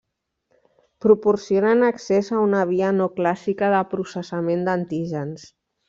Proporcionen accés a una via no clàssica de processament d’antígens.